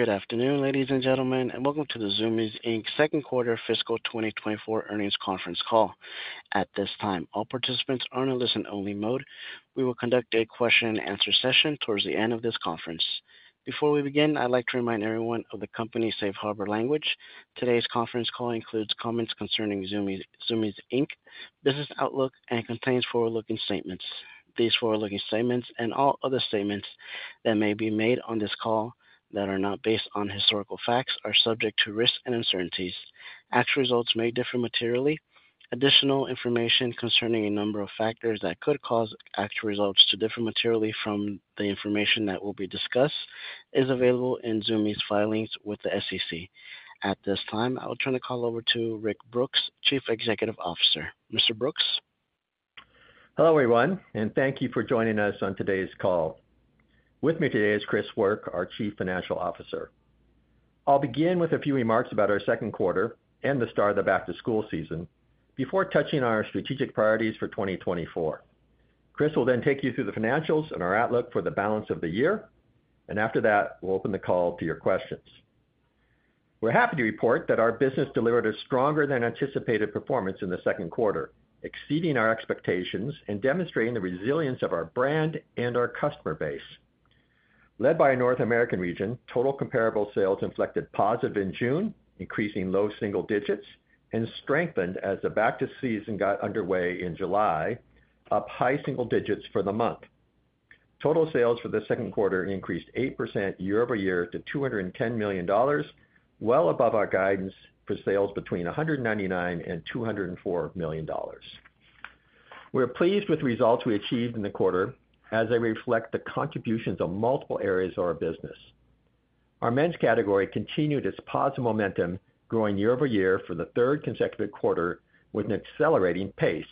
Good afternoon, ladies and gentlemen, and welcome to the Zumiez Inc.'s second quarter fiscal 2024 earnings conference call. At this time, all participants are in a listen-only mode. We will conduct a question-and-answer session towards the end of this conference. Before we begin, I'd like to remind everyone of the company's safe harbor language. Today's conference call includes comments concerning Zumiez, Zumiez Inc., business outlook, and contains forward-looking statements. These forward-looking statements, and all other statements that may be made on this call that are not based on historical facts, are subject to risks and uncertainties. Actual results may differ materially. Additional information concerning a number of factors that could cause actual results to differ materially from the information that will be discussed is available in Zumiez's filings with the SEC. At this time, I will turn the call over to Rick Brooks, Chief Executive Officer. Mr. Brooks? Hello, everyone, and thank you for joining us on today's call. With me today is Chris Work, our Chief Financial Officer. I'll begin with a few remarks about our second quarter and the start of the back-to-school season before touching on our strategic priorities for 2024. Chris will then take you through the financials and our outlook for the balance of the year. And after that, we'll open the call to your questions. We're happy to report that our business delivered a stronger than anticipated performance in the second quarter, exceeding our expectations and demonstrating the resilience of our brand and our customer base. Led by North America, total comparable sales inflected positive in June, increasing low single digits, and strengthened as the back-to-school season got underway in July, up high single digits for the month. Total sales for the second quarter increased 8% year over year to $210 million, well above our guidance for sales between $199 million and $204 million. We're pleased with the results we achieved in the quarter as they reflect the contributions of multiple areas of our business. Our men's category continued its positive momentum, growing year over year for the third consecutive quarter with an accelerating pace.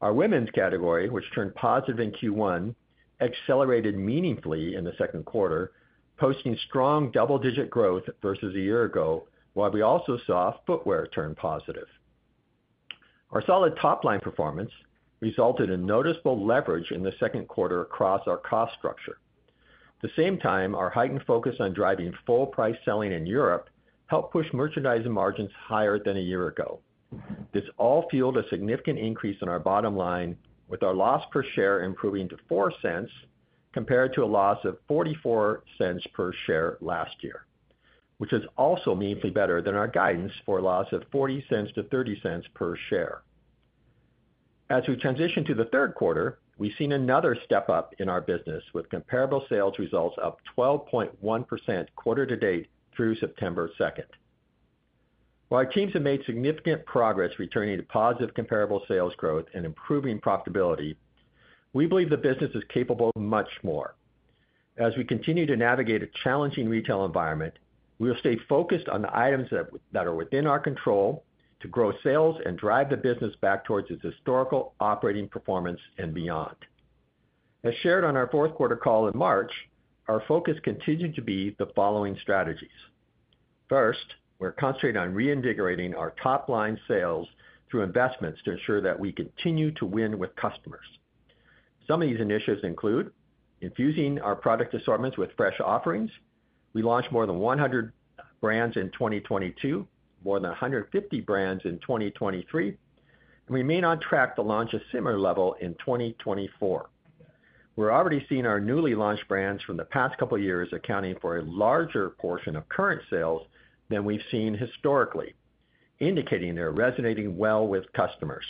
Our women's category, which turned positive in Q1, accelerated meaningfully in the second quarter, posting strong double-digit growth versus a year ago, while we also saw footwear turn positive. Our solid top-line performance resulted in noticeable leverage in the second quarter across our cost structure. At the same time, our heightened focus on driving full price selling in Europe helped push merchandising margins higher than a year ago. This all fueled a significant increase in our bottom line, with our loss per share improving to $0.04, compared to a loss of $0.44 per share last year, which is also meaningfully better than our guidance for a loss of $0.40 to $0.30 per share. As we transition to the third quarter, we've seen another step-up in our business, with comparable sales results up 12.1% quarter to date through September second. While our teams have made significant progress returning to positive comparable sales growth and improving profitability, we believe the business is capable of much more. As we continue to navigate a challenging retail environment, we will stay focused on the items that are within our control to grow sales and drive the business back towards its historical operating performance and beyond. As shared on our fourth quarter call in March, our focus continued to be the following strategies. First, we're concentrating on reinvigorating our top-line sales through investments to ensure that we continue to win with customers. Some of these initiatives include infusing our product assortments with fresh offerings. We launched more than 100 brands in 2022, more than 150 brands in 2023, and we remain on track to launch a similar level in 2024. We're already seeing our newly launched brands from the past couple of years accounting for a larger portion of current sales than we've seen historically, indicating they're resonating well with customers.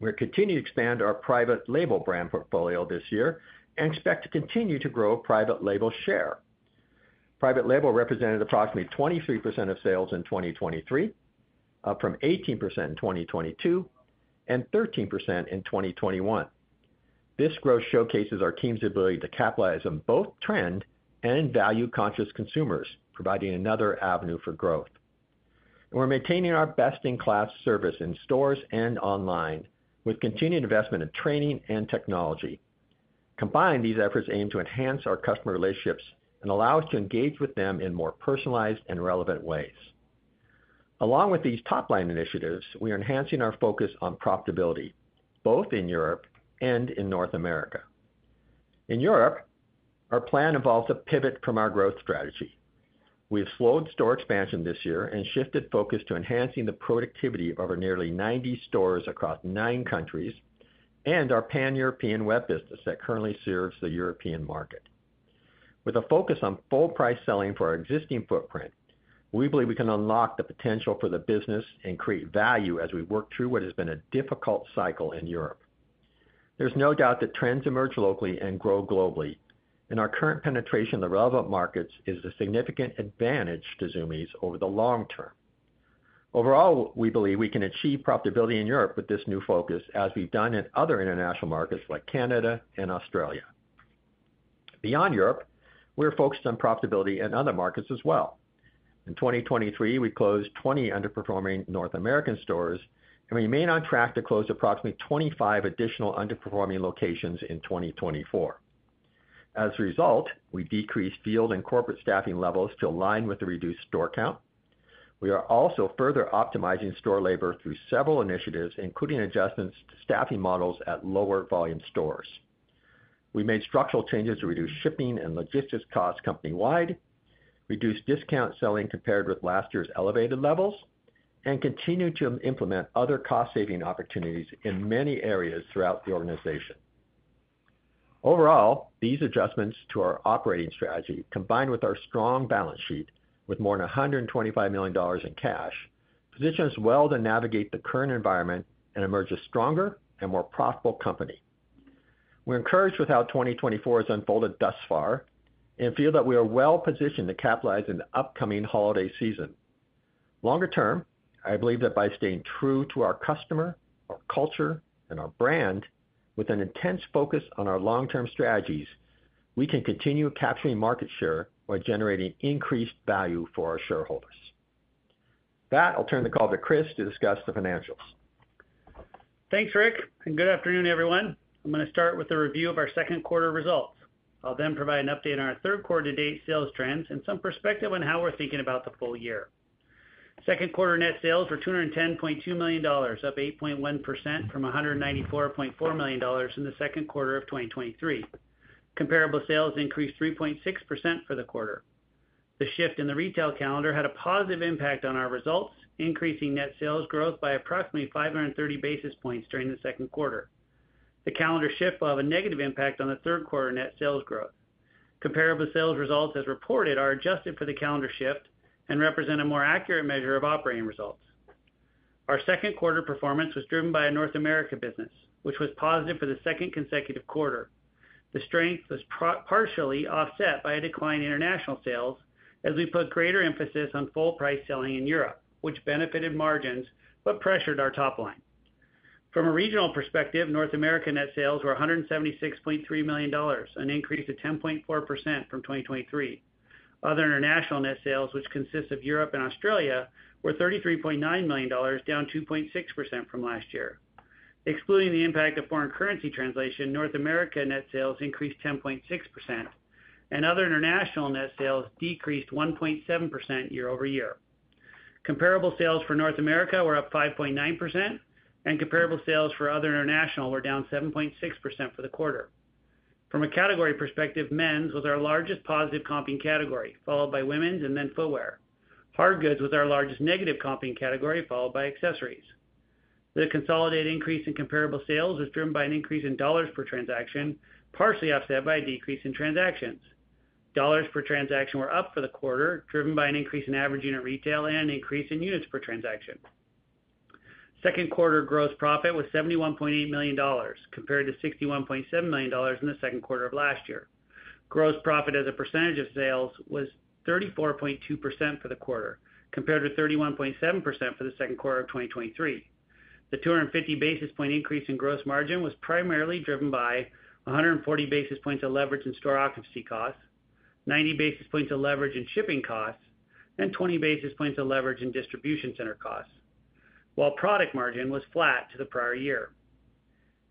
We're continuing to expand our private label brand portfolio this year and expect to continue to grow private label share. Private label represented approximately 23% of sales in 2023, up from 18% in 2022, and 13% in 2021. This growth showcases our team's ability to capitalize on both trend and value-conscious consumers, providing another avenue for growth. And we're maintaining our best-in-class service in stores and online, with continued investment in training and technology. Combined, these efforts aim to enhance our customer relationships and allow us to engage with them in more personalized and relevant ways. Along with these top-line initiatives, we are enhancing our focus on profitability, both in Europe and in North America. In Europe, our plan involves a pivot from our growth strategy. We have slowed store expansion this year and shifted focus to enhancing the productivity of our nearly 90 stores across nine countries and our Pan-European web business that currently serves the European market. With a focus on full price selling for our existing footprint, we believe we can unlock the potential for the business and create value as we work through what has been a difficult cycle in Europe. There's no doubt that trends emerge locally and grow globally, and our current penetration in the relevant markets is a significant advantage to Zumiez over the long term. Overall, we believe we can achieve profitability in Europe with this new focus, as we've done in Other International markets like Canada and Australia. Beyond Europe, we're focused on profitability in other markets as well. In 2023, we closed 20 underperforming North American stores, and we remain on track to close approximately 25 additional underperforming locations in 2024. As a result, we decreased field and corporate staffing levels to align with the reduced store count. We are also further optimizing store labor through several initiatives, including adjustments to staffing models at lower volume stores. We made structural changes to reduce shipping and logistics costs company-wide, reduced discount selling compared with last year's elevated levels, and continued to implement other cost-saving opportunities in many areas throughout the organization. Overall, these adjustments to our operating strategy, combined with our strong balance sheet, with more than $125 million in cash, position us well to navigate the current environment and emerge a stronger and more profitable company. We're encouraged with how 2024 has unfolded thus far and feel that we are well positioned to capitalize in the upcoming holiday season. Longer term, I believe that by staying true to our customer, our culture, and our brand, with an intense focus on our long-term strategies, we can continue capturing market share while generating increased value for our shareholders. With that, I'll turn the call to Chris to discuss the financials. Thanks, Rick, and good afternoon, everyone. I'm gonna start with a review of our second quarter results. I'll then provide an update on our third quarter to date sales trends and some perspective on how we're thinking about the full year. Second quarter net sales were $210.2 million, up 8.1% from $194.4 million in the second quarter of 2023. Comparable sales increased 3.6% for the quarter. The shift in the retail calendar had a positive impact on our results, increasing net sales growth by approximately 530 basis points during the second quarter. The calendar shift will have a negative impact on the third quarter net sales growth. Comparable sales results, as reported, are adjusted for the calendar shift and represent a more accurate measure of operating results. Our second quarter performance was driven by a North America business, which was positive for the second consecutive quarter. The strength was partially offset by a decline in international sales as we put greater emphasis on full price selling in Europe, which benefited margins but pressured our top line. From a regional perspective, North America net sales were $176.3 million, an increase of 10.4% from 2023. Other International net sales, which consists of Europe and Australia, were $33.9 million, down 2.6% from last year. Excluding the impact of foreign currency translation, North America net sales increased 10.6%, and Other International net sales decreased 1.7% year over year. Comparable sales for North America were up 5.9%, and comparable sales for Other International were down 7.6% for the quarter. From a category perspective, men's was our largest positive comping category, followed by women's and then footwear. Hardgoods was our largest negative comping category, followed by accessories. The consolidated increase in comparable sales was driven by an increase in dollars per transaction, partially offset by a decrease in transactions. Dollars per transaction were up for the quarter, driven by an increase in average unit retail and an increase in units per transaction. Second quarter gross profit was $71.8 million, compared to $61.7 million in the second quarter of last year. Gross profit as a percentage of sales was 34.2% for the quarter, compared to 31.7% for the second quarter of 2023. The 250 basis point increase in gross margin was primarily driven by 140 basis points of leverage in store occupancy costs, 90 basis points of leverage in shipping costs, and 20 basis points of leverage in distribution center costs, while product margin was flat to the prior year.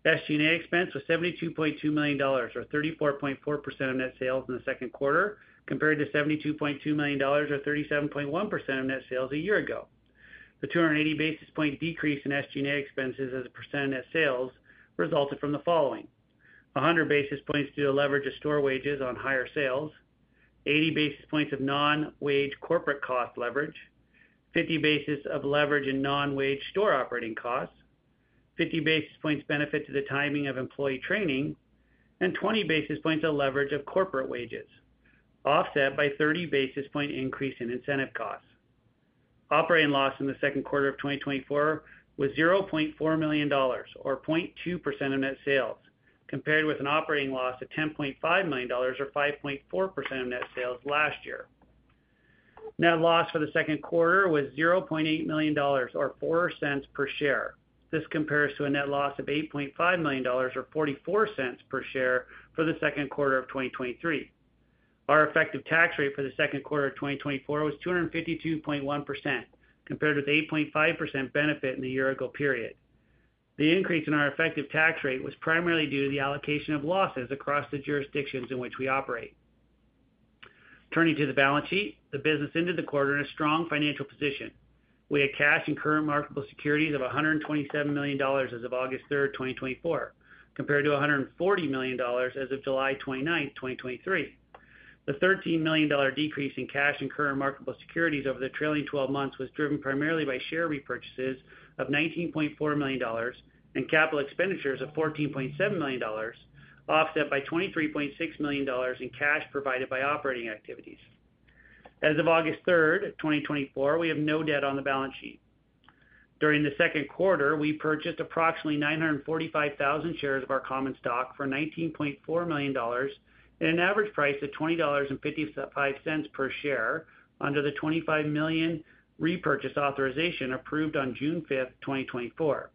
SG&A expense was $72.2 million, or 34.4% of net sales in the second quarter, compared to $72.2 million, or 37.1% of net sales a year ago. The 280 basis points decrease in SG&A expenses as a % of net sales resulted from the following: 100 basis points due to leverage of store wages on higher sales, 80 basis points of non-wage corporate cost leverage, 50 basis points of leverage in non-wage store operating costs, 50 basis points benefit to the timing of employee training, and 20 basis points of leverage of corporate wages, offset by 30 basis points increase in incentive costs. Operating loss in the second quarter of 2024 was $0.4 million, or 0.2% of net sales, compared with an operating loss of $10.5 million or 5.4% of net sales last year. Net loss for the second quarter was $0.8 million or $0.04 per share. This compares to a net loss of $8.5 million or $0.44 per share for the second quarter of 2023. Our effective tax rate for the second quarter of 2024 was 252.1%, compared with 8.5% benefit in the year ago period. The increase in our effective tax rate was primarily due to the allocation of losses across the jurisdictions in which we operate. Turning to the balance sheet, the business ended the quarter in a strong financial position. We had cash and current marketable securities of $127 million as of August 3, 2024, compared to $140 million as of July 29, 2023. The $13 million decrease in cash and current marketable securities over the trailing twelve months was driven primarily by share repurchases of $19.4 million and capital expenditures of $14.7 million, offset by $23.6 million in cash provided by operating activities. As of August 3, 2024, we have no debt on the balance sheet. During the second quarter, we purchased approximately 945,000 shares of our common stock for $19.4 million at an average price of $20.55 per share under the $25 million repurchase authorization approved on June 5, 2024.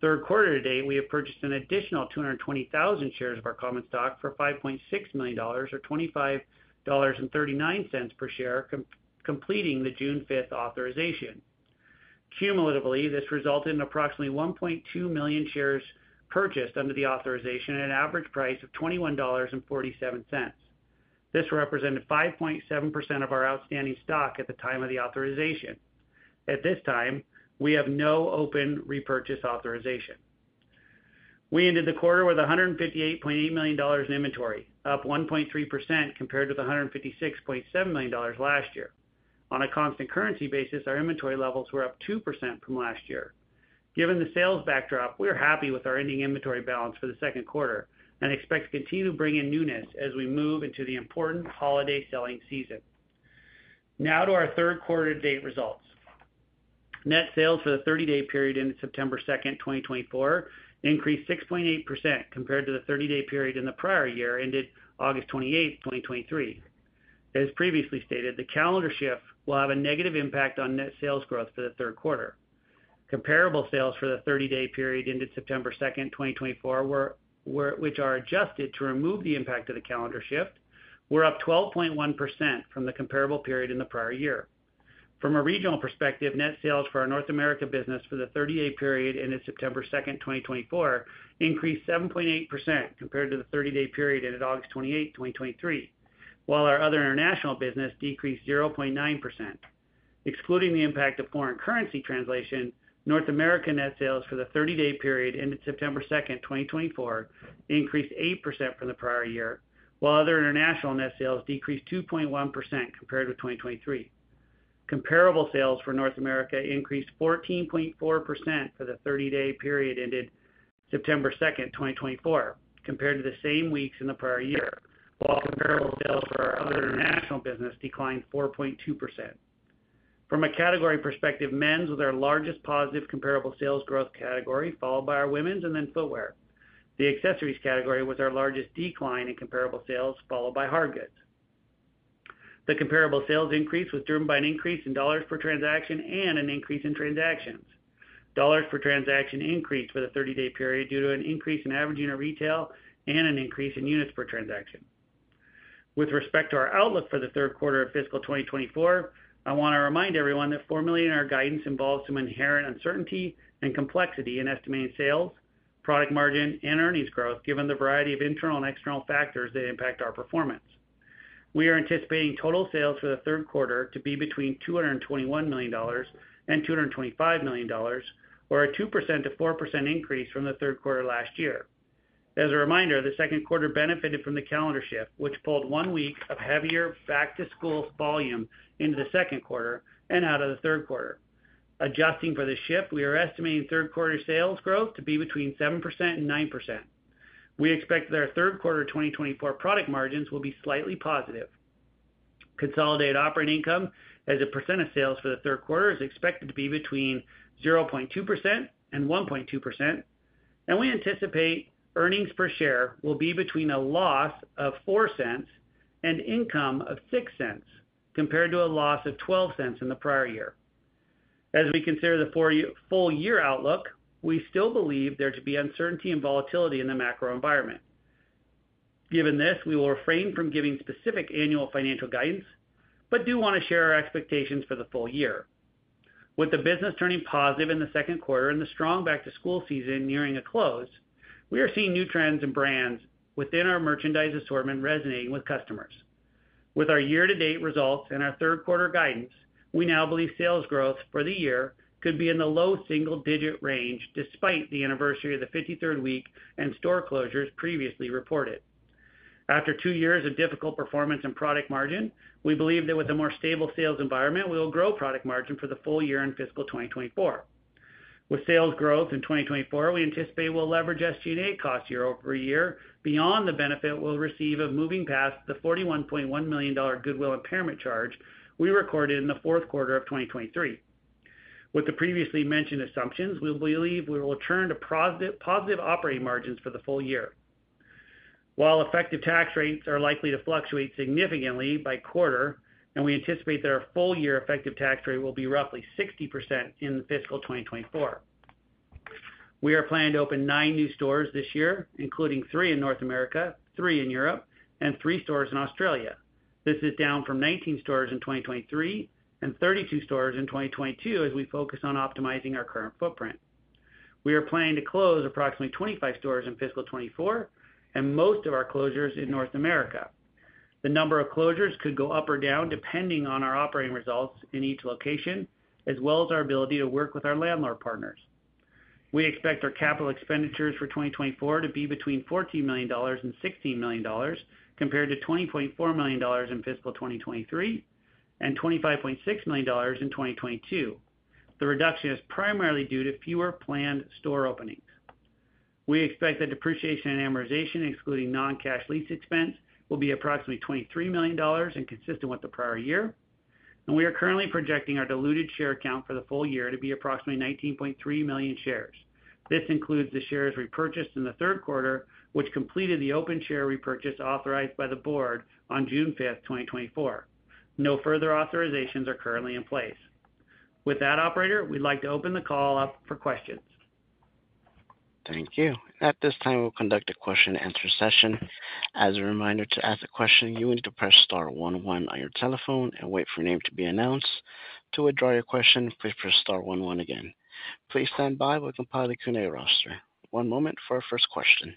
Third quarter to date, we have purchased an additional 220,000 shares of our common stock for $5.6 million, or $25.39 per share, completing the June fifth authorization. Cumulatively, this resulted in approximately 1.2 million shares purchased under the authorization at an average price of $21.47. This represented 5.7% of our outstanding stock at the time of the authorization. At this time, we have no open repurchase authorization. We ended the quarter with $158.8 million in inventory, up 1.3% compared to the $156.7 million last year. On a constant currency basis, our inventory levels were up 2% from last year. Given the sales backdrop, we are happy with our ending inventory balance for the second quarter and expect to continue to bring in newness as we move into the important holiday selling season. Now to our third quarter to date results. Net sales for the thirty-day period ended September 2, 2024, increased 6.8% compared to the thirty-day period in the prior year, ended August 28, 2023. As previously stated, the calendar shift will have a negative impact on net sales growth for the third quarter. Comparable sales for the thirty-day period ended September 2, 2024, which are adjusted to remove the impact of the calendar shift, were up 12.1% from the comparable period in the prior year. From a regional perspective, net sales for our North America business for the 30-day period ended September 2, 2024, increased 7.8% compared to the 30-day period ended August 28, 2023, while our Other International business decreased 0.9%. Excluding the impact of foreign currency translation, North America net sales for the 30-day period ended September 2, 2024, increased 8% from the prior year, while Other International net sales decreased 2.1% compared with 2023. Comparable sales for North America increased 14.4% for the 30-day period ended September 2, 2024, compared to the same weeks in the prior year, while comparable sales for our Other International business declined 4.2%. From a category perspective, men's was our largest positive comparable sales growth category, followed by our women's and then footwear. The accessories category was our largest decline in comparable sales, followed by hardgoods. The comparable sales increase was driven by an increase in dollars per transaction and an increase in transactions. Dollars per transaction increased for the thirty-day period due to an increase in average unit retail and an increase in units per transaction. With respect to our outlook for the third quarter of fiscal 2024, I wanna remind everyone that formulating our guidance involves some inherent uncertainty and complexity in estimating sales, product margin, and earnings growth, given the variety of internal and external factors that impact our performance. We are anticipating total sales for the third quarter to be between $221 million and $225 million, or a 2%-4% increase from the third quarter last year. As a reminder, the second quarter benefited from the calendar shift, which pulled one week of heavier back-to-school volume into the second quarter and out of the third quarter. Adjusting for the shift, we are estimating third quarter sales growth to be between 7% and 9%. We expect that our third quarter 2024 product margins will be slightly positive. Consolidated operating income as a percent of sales for the third quarter is expected to be between 0.2% and 1.2%, and we anticipate earnings per share will be between a loss of $0.04 and income of $0.06, compared to a loss of $0.12 in the prior year. As we consider the full year outlook, we still believe there to be uncertainty and volatility in the macro environment. Given this, we will refrain from giving specific annual financial guidance, but do wanna share our expectations for the full year. With the business turning positive in the second quarter and the strong back-to-school season nearing a close, we are seeing new trends and brands within our merchandise assortment resonating with customers. With our year-to-date results and our third quarter guidance, we now believe sales growth for the year could be in the low single-digit range, despite the anniversary of the fifty-third week and store closures previously reported. After two years of difficult performance and product margin, we believe that with a more stable sales environment, we will grow product margin for the full year in fiscal 2024. With sales growth in 2024, we anticipate we'll leverage SG&A costs year over year beyond the benefit we'll receive of moving past the $41.1 million goodwill impairment charge we recorded in the fourth quarter of 2023. With the previously mentioned assumptions, we believe we will return to positive operating margins for the full year. While effective tax rates are likely to fluctuate significantly by quarter, and we anticipate that our full year effective tax rate will be roughly 60% in fiscal 2024. We are planning to open nine new stores this year, including three in North America, three in Europe, and three stores in Australia. This is down from 19 stores in 2023 and 32 stores in 2022, as we focus on optimizing our current footprint. We are planning to close approximately 25 stores in fiscal 2024, and most of our closures in North America. The number of closures could go up or down, depending on our operating results in each location, as well as our ability to work with our landlord partners. We expect our capital expenditures for 2024 to be between $14 million and $16 million, compared to $20.4 million in fiscal 2023, and $25.6 million in 2022. The reduction is primarily due to fewer planned store openings. We expect that depreciation and amortization, excluding non-cash lease expense, will be approximately $23 million and consistent with the prior year. And we are currently projecting our diluted share count for the full year to be approximately 19.3 million shares. This includes the shares repurchased in the third quarter, which completed the open share repurchase authorized by the board on June 5, 2024. No further authorizations are currently in place. With that, operator, we'd like to open the call up for questions. Thank you. At this time, we'll conduct a question and answer session. As a reminder, to ask a question, you need to press star one one on your telephone and wait for your name to be announced. To withdraw your question, please press star one one again. Please stand by. We'll compile the Q&A roster. One moment for our first question.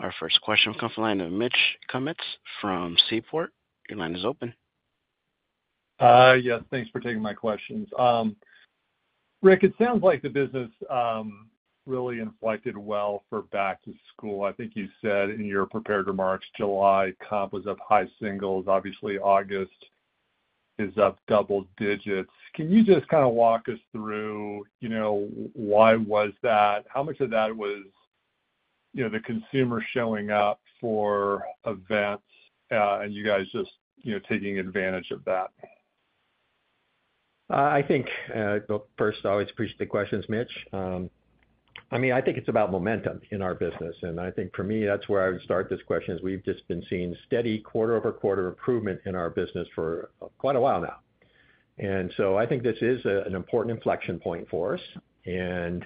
Our first question will come from the line of Mitch Kummetz from Seaport. Your line is open. Yes, thanks for taking my questions. Rick, it sounds like the business really inflected well for back-to-school. I think you said in your prepared remarks, July comp was up high singles. Obviously, August is up double digits. Can you just kind of walk us through, you know, why was that? How much of that was, you know, the consumer showing up for events, and you guys just, you know, taking advantage of that? I think, well, first, I always appreciate the questions, Mitch. I mean, I think it's about momentum in our business, and I think for me, that's where I would start this question, is we've just been seeing steady quarter over quarter improvement in our business for quite a while now. And so I think this is an important inflection point for us, and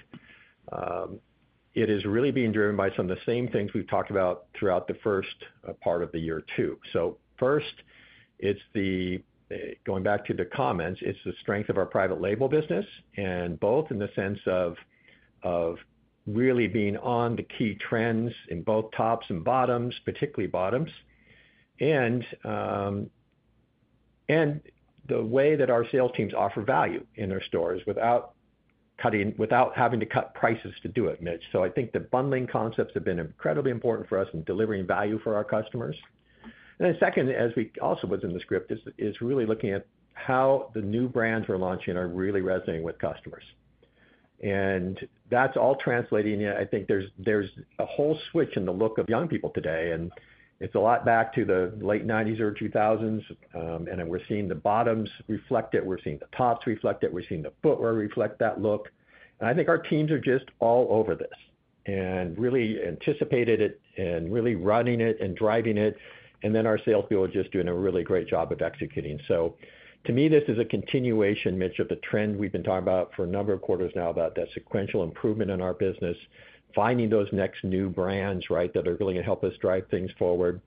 it is really being driven by some of the same things we've talked about throughout the first part of the year, too. So first, it's the going back to the comments, it's the strength of our private label business, and both in the sense of really being on the key trends in both tops and bottoms, particularly bottoms, and the way that our sales teams offer value in their stores without cutting, without having to cut prices to do it, Mitch. I think the bundling concepts have been incredibly important for us in delivering value for our customers. Then second, as we also was in the script, is really looking at how the new brands we're launching are really resonating with customers. And that's all translating. I think there's a whole switch in the look of young people today, and it's a lot back to the late nineties or 2000s. Then we're seeing the bottoms reflect it. We're seeing the tops reflect it. We're seeing the footwear reflect that look. And I think our teams are just all over this and really anticipated it and really running it and driving it. And then our sales people are just doing a really great job of executing. So to me, this is a continuation, Mitch, of the trend we've been talking about for a number of quarters now, about that sequential improvement in our business, finding those next new brands, right, that are really going to help us drive things forward.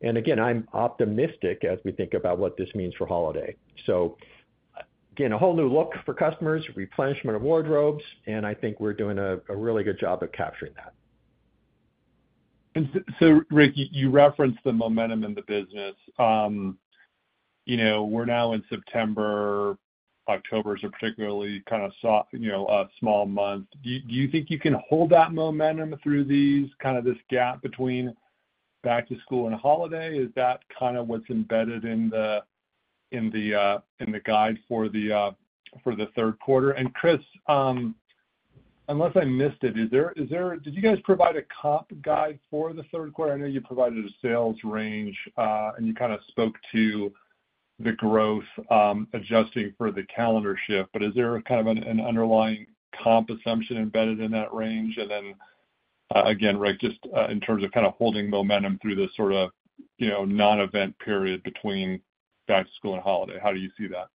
And again, I'm optimistic as we think about what this means for holiday. So again, a whole new look for customers, replenishment of wardrobes, and I think we're doing a really good job of capturing that. So, Rick, you referenced the momentum in the business. You know, we're now in September. October is a particularly kind of soft, you know, small month. Do you think you can hold that momentum through this gap between back to school and holiday? Is that what's embedded in the guide for the third quarter? And Chris, unless I missed it, is there? Did you guys provide a comp guide for the third quarter? I know you provided a sales range, and you kind of spoke to the growth, adjusting for the calendar shift. But is there an underlying comp assumption embedded in that range? And then, again, Rick, just in terms of kind of holding momentum through this sort of, you know, non-event period between back to school and holiday, how do you see that?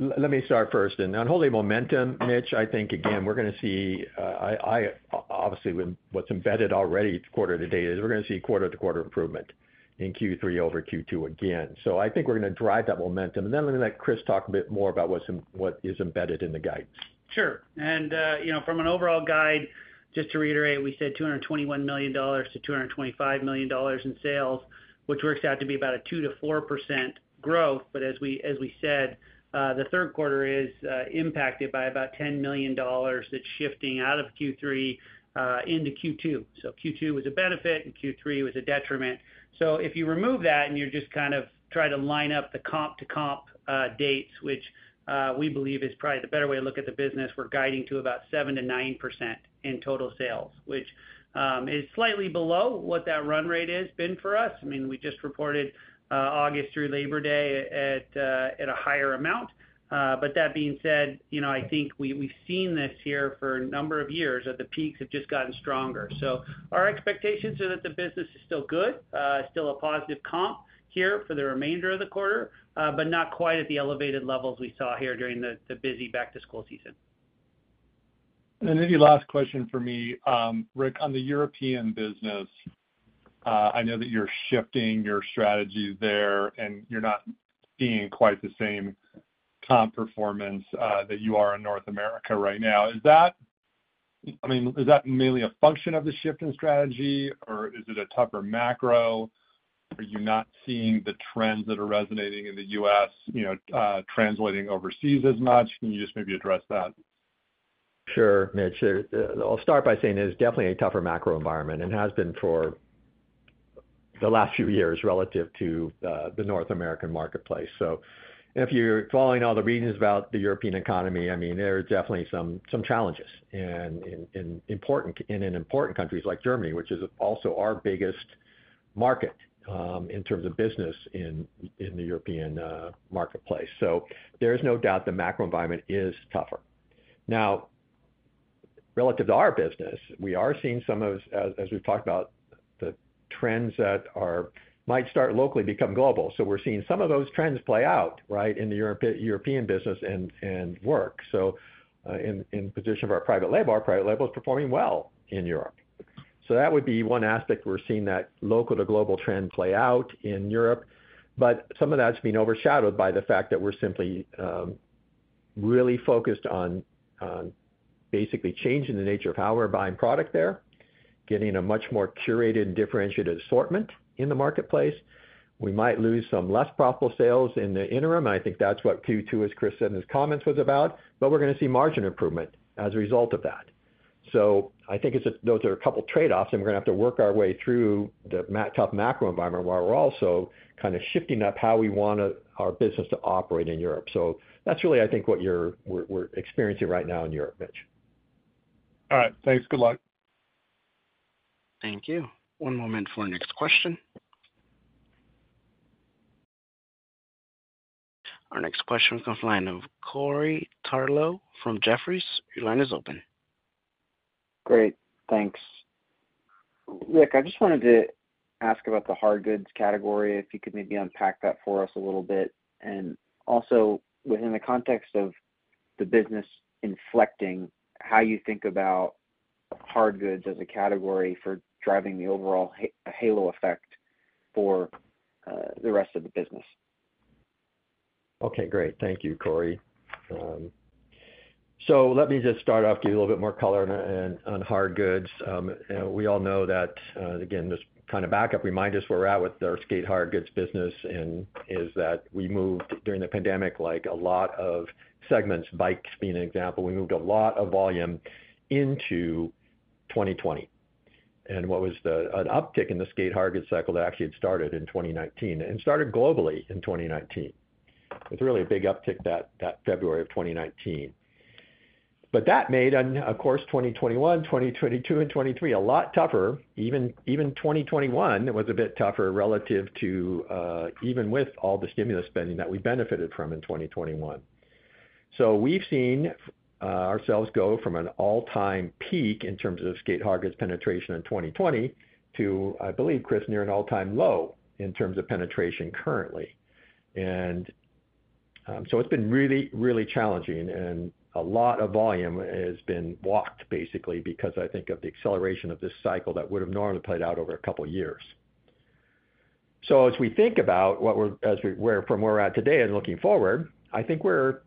Let me start first on holding momentum, Mitch. I think, again, we're gonna see. I obviously, with what's embedded already quarter to date, is we're gonna see quarter to quarter improvement in Q3 over Q2 again. So I think we're gonna drive that momentum. And then I'm gonna let Chris talk a bit more about what is embedded in the guide. Sure. And you know, from an overall guide, just to reiterate, we said $221 million-$225 million in sales, which works out to be about a 2%-4% growth. But as we said, the third quarter is impacted by about $10 million that's shifting out of Q3 into Q2. So Q2 was a benefit and Q3 was a detriment. So if you remove that, and you just kind of try to line up the comp to comp dates, which we believe is probably the better way to look at the business, we're guiding to about 7%-9% in total sales. Which is slightly below what that run rate has been for us. I mean, we just reported August through Labor Day at a higher amount. But that being said, you know, I think we've seen this here for a number of years, that the peaks have just gotten stronger. So our expectations are that the business is still good, still a positive comp here for the remainder of the quarter, but not quite at the elevated levels we saw here during the busy back to school season. And then maybe last question for me. Rick, on the European business, I know that you're shifting your strategy there, and you're not seeing quite the same comp performance that you are in North America right now. Is that, I mean, is that mainly a function of the shift in strategy, or is it a tougher macro? Are you not seeing the trends that are resonating in the U.S., you know, translating overseas as much? Can you just maybe address that? Sure, Mitch. I'll start by saying it is definitely a tougher macro environment and has been for the last few years relative to the North American marketplace. So if you're following all the readings about the European economy, I mean, there are definitely some challenges and in important countries like Germany, which is also our biggest market in terms of business in the European marketplace. So there is no doubt the macro environment is tougher. Relative to our business, we are seeing some of, as we've talked about, the trends that might start locally, become global. So we're seeing some of those trends play out, right, in the European business and work. So, in position of our private label, our private label is performing well in Europe. So that would be one aspect we're seeing that local to global trend play out in Europe. But some of that's been overshadowed by the fact that we're simply really focused on basically changing the nature of how we're buying product there, getting a much more curated and differentiated assortment in the marketplace. We might lose some less profitable sales in the interim. I think that's what Q2, as Chris said in his comments, was about, but we're gonna see margin improvement as a result of that. So I think it's those are a couple trade-offs, and we're gonna have to work our way through the tough macro environment, while we're also kind of shifting up how we want our business to operate in Europe. So that's really, I think, what we're experiencing right now in Europe, Mitch. All right. Thanks. Good luck. Thank you. One moment for our next question. Our next question comes from the line of Corey Tarlowe from Jefferies. Your line is open. Great, thanks. Rick, I just wanted to ask about the hardgoods category, if you could maybe unpack that for us a little bit, and also, within the context of the business inflecting, how you think about hardgoods as a category for driving the overall halo effect for the rest of the business? Okay, great. Thank you, Corey. So let me just start off, give you a little bit more color on hardgoods. We all know that, again, just kind of back up, remind us where we're at with our skate hardgoods business, and is that we moved during the pandemic, like a lot of segments, bikes being an example, we moved a lot of volume into 2020. An uptick in the skate hardgoods cycle that actually had started in 2019 and started globally in 2019. With really a big uptick that February of 2019, but that made of course 2021, 2022, and 2023 a lot tougher. Even 2021 was a bit tougher relative to even with all the stimulus spending that we benefited from in 2021. So we've seen ourselves go from an all-time peak in terms of skate hardgoods penetration in 2020 to, I believe, Chris, near an all-time low in terms of penetration currently. And so it's been really, really challenging, and a lot of volume has been walked, basically, because I think of the acceleration of this cycle that would've normally played out over a couple years. So as we think about from where we're at today and looking forward, I think we're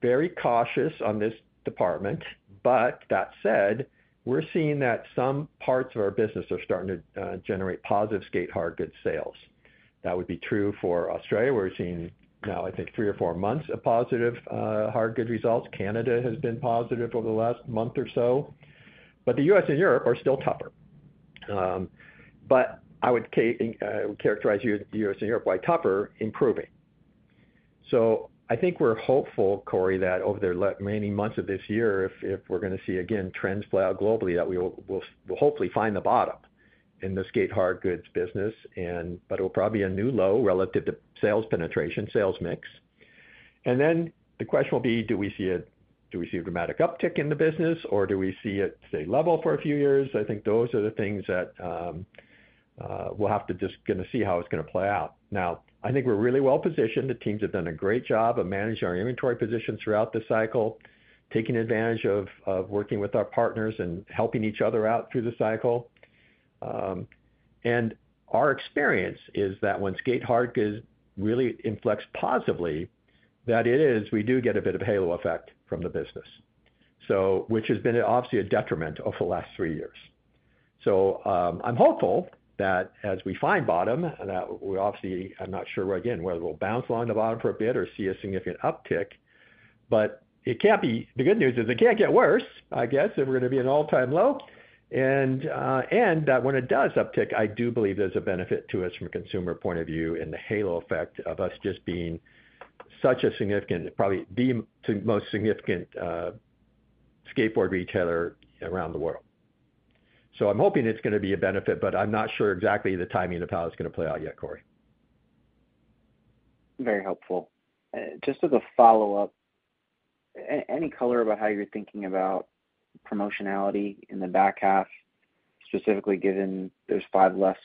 very cautious on this department, but that said, we're seeing that some parts of our business are starting to generate positive skate hardgoods sales. That would be true for Australia, where we're seeing now, I think, three or four months of positive hardgoods results. Canada has been positive over the last month or so, but the U.S. and Europe are still tougher, but I would characterize U.S. and Europe, while tougher, improving, so I think we're hopeful, Corey, that over the remaining months of this year, if we're gonna see, again, trends play out globally, that we will hopefully find the bottom in the skate hardgoods business, and but it'll probably be a new low relative to sales penetration, sales mix, and then the question will be: Do we see a dramatic uptick in the business, or do we see it stay level for a few years? I think those are the things that we'll have to just gonna see how it's gonna play out. Now, I think we're really well positioned. The teams have done a great job of managing our inventory position throughout the cycle, taking advantage of working with our partners and helping each other out through the cycle. And our experience is that when skate hardgoods really inflect positively, that is, we do get a bit of halo effect from the business, so which has been obviously a detriment over the last three years. So, I'm hopeful that as we find bottom, that we obviously, I'm not sure where, again, whether we'll bounce along the bottom for a bit or see a significant uptick, but it can't be, the good news is it can't get worse, I guess, if we're gonna be an all-time low, and that when it does uptick, I do believe there's a benefit to us from a consumer point of view, and the halo effect of us just being such a significant, probably the most significant, skateboard retailer around the world, so I'm hoping it's gonna be a benefit, but I'm not sure exactly the timing of how it's gonna play out yet, Corey. Very helpful. Just as a follow-up, any color about how you're thinking about promotionality in the back half, specifically given those five less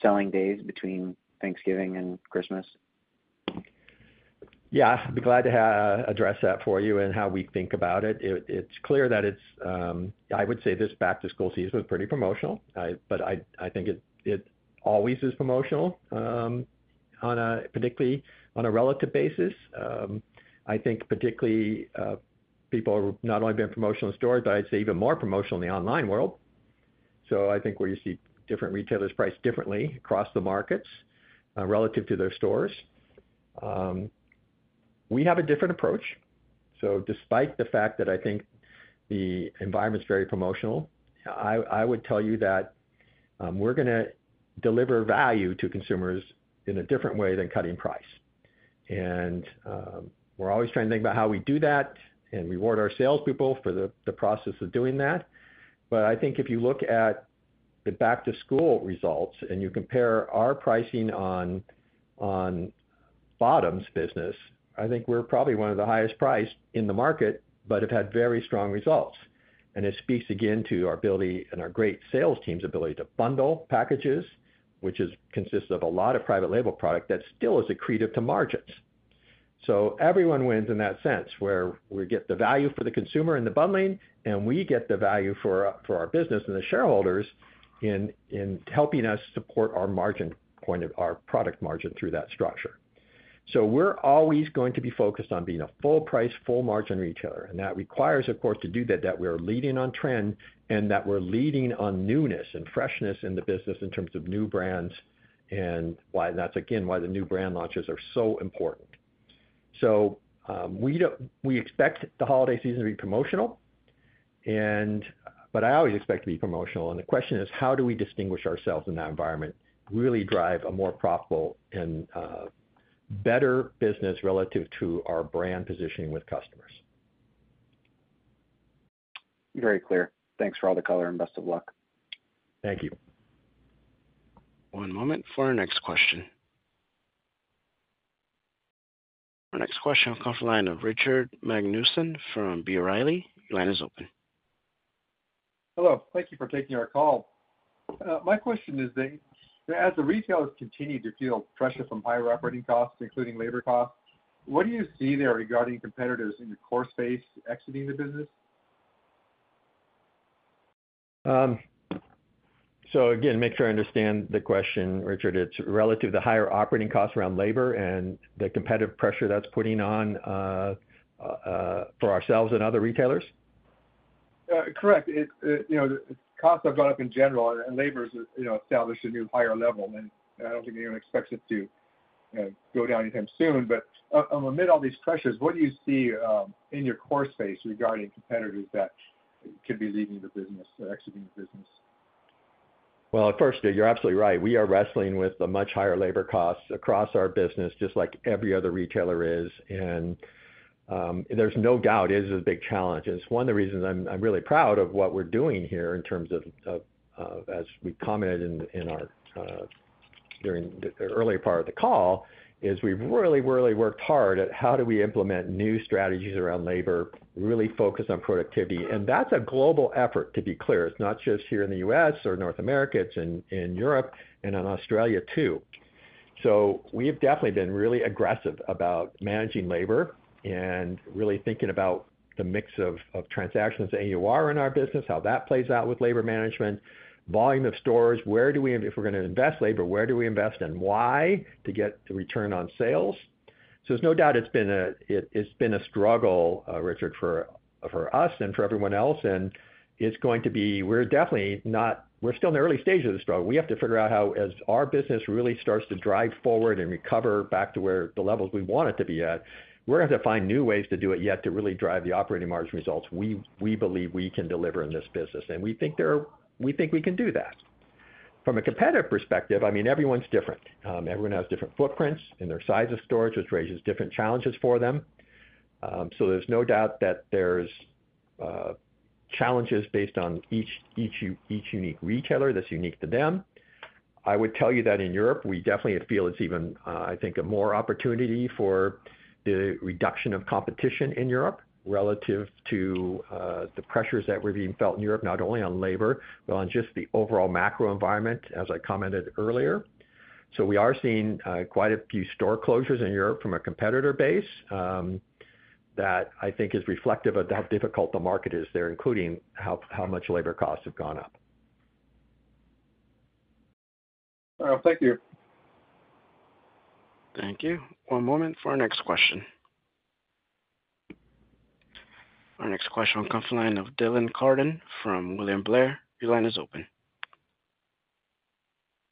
selling days between Thanksgiving and Christmas? Yeah, I'd be glad to address that for you and how we think about it. It's clear that it's I would say this back-to-school season was pretty promotional. But I think it always is promotional, particularly on a relative basis. I think particularly people are not only being promotional in store, but I'd say even more promotional in the online world. So I think where you see different retailers priced differently across the markets relative to their stores. We have a different approach. So despite the fact that I think the environment's very promotional, I would tell you that we're gonna deliver value to consumers in a different way than cutting price. And we're always trying to think about how we do that and reward our salespeople for the process of doing that. I think if you look at the back-to-school results, and you compare our pricing on bottoms business, I think we're probably one of the highest priced in the market, but have had very strong results. And it speaks again to our ability and our great sales team's ability to bundle packages, which consists of a lot of private label product that still is accretive to margins. So everyone wins in that sense, where we get the value for the consumer in the bundling, and we get the value for our business and the shareholders in helping us support our product margin through that structure. So we're always going to be focused on being a full-price, full-margin retailer, and that requires, of course, to do that, that we're leading on trend and that we're leading on newness and freshness in the business in terms of new brands. That's again why the new brand launches are so important. So we expect the holiday season to be promotional, but I always expect to be promotional, and the question is: how do we distinguish ourselves in that environment, really drive a more profitable and better business relative to our brand positioning with customers? Very clear. Thanks for all the color, and best of luck. Thank you. One moment for our next question. Our next question comes from the line of Richard Magnusen from B. Riley. Your line is open. Hello. Thank you for taking our call. My question is that, as the retailers continue to feel pressure from higher operating costs, including labor costs, what do you see there regarding competitors in your core space exiting the business? So again, make sure I understand the question, Richard. It's relative to higher operating costs around labor and the competitive pressure that's putting on, for ourselves and other retailers? Correct. It, you know, costs have gone up in general, and labor has, you know, established a new higher level, and I don't think anyone expects it to go down anytime soon. But, amid all these pressures, what do you see in your core space regarding competitors that could be leaving the business or exiting the business? First, you're absolutely right. We are wrestling with the much higher labor costs across our business, just like every other retailer is, and there's no doubt it is a big challenge. It's one of the reasons I'm really proud of what we're doing here in terms of, as we commented in our during the early part of the call, is we've really, really worked hard at how do we implement new strategies around labor, really focus on productivity. And that's a global effort, to be clear. It's not just here in the U.S. or North America, it's in Europe and in Australia, too. So we have definitely been really aggressive about managing labor and really thinking about the mix of transactions, AUR in our business, how that plays out with labor management, volume of stores. Where do we? If we're gonna invest labor, where do we invest and why, to get the return on sales? So there's no doubt it's been a struggle, Richard, for us and for everyone else, and it's going to be. We're definitely not. We're still in the early stages of the struggle. We have to figure out how, as our business really starts to drive forward and recover back to where the levels we want it to be at, we're gonna have to find new ways to do it, yet to really drive the operating margin results, we believe we can deliver in this business, and we think we can do that. From a competitive perspective, I mean, everyone's different. Everyone has different footprints and their size of stores, which raises different challenges for them. So there's no doubt that there's challenges based on each unique retailer that's unique to them. I would tell you that in Europe, we definitely feel it's even, I think, a more opportunity for the reduction of competition in Europe relative to the pressures that were being felt in Europe, not only on labor, but on just the overall macro environment, as I commented earlier. So we are seeing quite a few store closures in Europe from a competitor base that I think is reflective of how difficult the market is there, including how much labor costs have gone up. Thank you. Thank you. One moment for our next question. Our next question comes from the line of Dylan Carden from William Blair. Your line is open.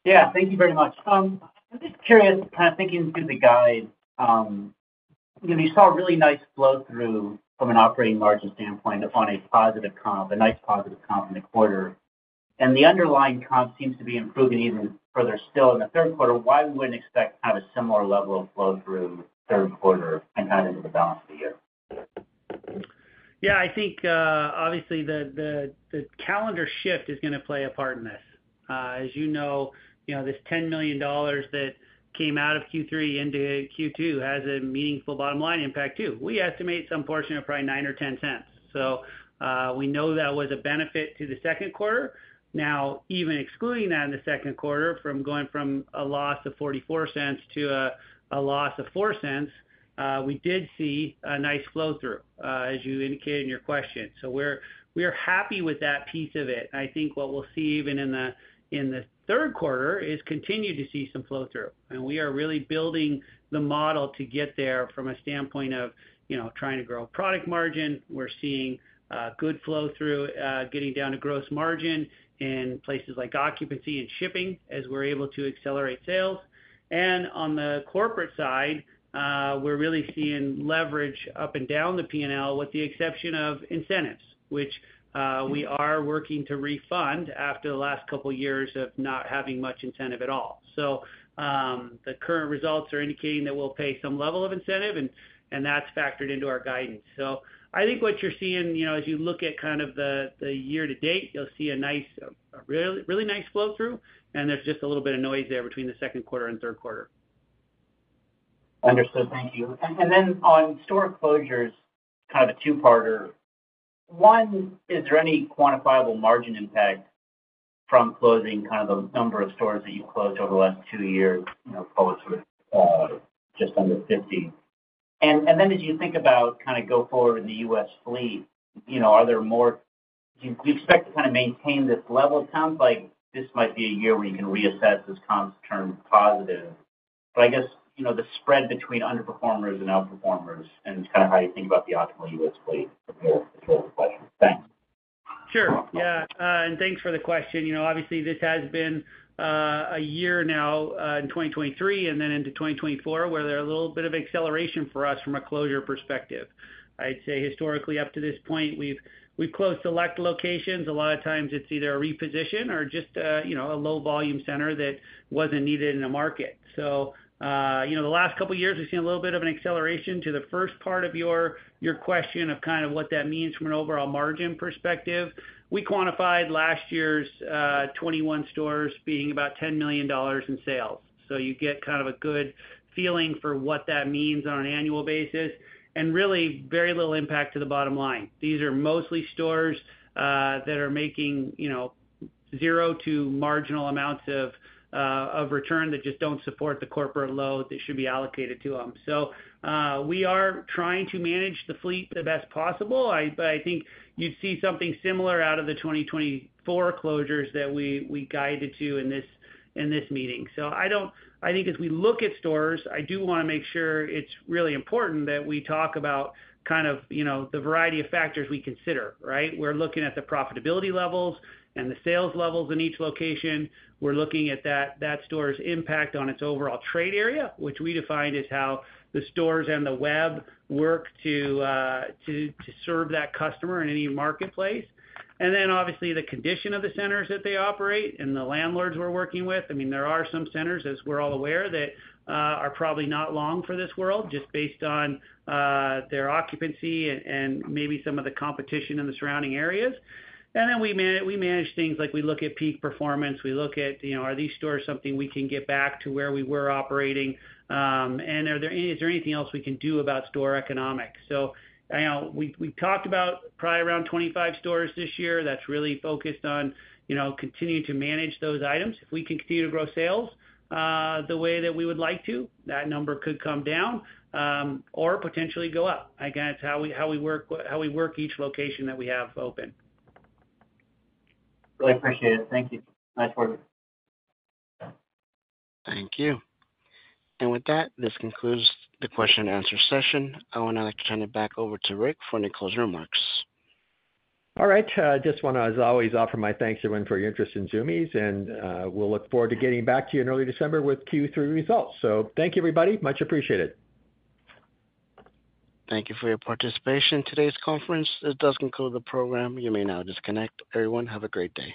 Yeah, thank you very much. I'm just curious, kind of thinking through the guide, you know, we saw a really nice flow through from an operating margin standpoint on a positive comp, a nice positive comp in the quarter. And the underlying comp seems to be improving even further still in the third quarter. Why we wouldn't expect kind of a similar level of flow through third quarter and kind of into the balance of the year? Yeah, I think, obviously, the calendar shift is gonna play a part in this. As you know, this $10 million that came out of Q3 into Q2 has a meaningful bottom line impact, too. We estimate some portion of probably $0.09 or $0.10. So, we know that was a benefit to the second quarter. Now, even excluding that in the second quarter, from going from a loss of $0.44 to a loss of $0.04, we did see a nice flow-through, as you indicated in your question. So we're happy with that piece of it. I think what we'll see even in the third quarter is continue to see some flow-through. And we are really building the model to get there from a standpoint of, you know, trying to grow product margin. We're seeing good flow-through getting down to gross margin in places like occupancy and shipping, as we're able to accelerate sales. And on the corporate side, we're really seeing leverage up and down the P&L, with the exception of incentives, which we are working to refund after the last couple of years of not having much incentive at all. So the current results are indicating that we'll pay some level of incentive, and that's factored into our guidance. So I think what you're seeing, you know, as you look at kind of the year to date, you'll see a nice, a really, really nice flow-through, and there's just a little bit of noise there between the second quarter and third quarter. Understood. Thank you. And then on store closures, kind of a two-parter. One, is there any quantifiable margin impact from closing kind of the number of stores that you've closed over the last two years, you know, close to just under fifty? And then as you think about kind of going forward in the U.S. fleet, you know, do you expect to kind of maintain this level? It sounds like this might be a year where you can reassess this comps turn positive. But I guess, you know, the spread between underperformers and outperformers and kind of how you think about the optimal U.S. fleet. Two questions. Thanks. Sure. Yeah, and thanks for the question. You know, obviously, this has been a year now in 2023 and then into 2024, where there are a little bit of acceleration for us from a closure perspective. I'd say historically, up to this point, we've closed select locations. A lot of times it's either a reposition or just a, you know, a low volume center that wasn't needed in the market. So, you know, the last couple of years, we've seen a little bit of an acceleration to the first part of your question of kind of what that means from an overall margin perspective. We quantified last year's 21 stores being about $10 million in sales. So you get kind of a good feeling for what that means on an annual basis, and really very little impact to the bottom line. These are mostly stores that are making, you know, zero to marginal amounts of return that just don't support the corporate load that should be allocated to them. So we are trying to manage the fleet the best possible. But I think you'd see something similar out of the 2024 closures that we guided to in this meeting. So, I don't think as we look at stores, I do want to make sure it's really important that we talk about kind of, you know, the variety of factors we consider, right? We're looking at the profitability levels and the sales levels in each location. We're looking at that store's impact on its overall trade area, which we defined as how the stores and the web work to serve that customer in any marketplace. Then obviously, the condition of the centers that they operate and the landlords we're working with. I mean, there are some centers, as we're all aware, that are probably not long for this world, just based on their occupancy and maybe some of the competition in the surrounding areas. Then we manage things like we look at peak performance. We look at, you know, are these stores something we can get back to where we were operating? And is there anything else we can do about store economics? You know, we talked about probably around 25 stores this year. That's really focused on, you know, continuing to manage those items. If we can continue to grow sales, the way that we would like to, that number could come down, or potentially go up. Again, that's how we work each location that we have open. Really appreciate it. Thank you. Nice quarter. Thank you. And with that, this concludes the question and answer session. I would now like to turn it back over to Rick for any closing remarks. All right. Just want to, as always, offer my thanks, everyone, for your interest in Zumiez. And, we'll look forward to getting back to you in early December with Q3 results. So thank you, everybody. Much appreciated. Thank you for your participation in today's conference. This does conclude the program. You may now disconnect. Everyone, have a great day.